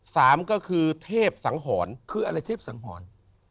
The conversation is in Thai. สามก็คือเทพสังหรณ์คืออะไรเทพสังหรณ์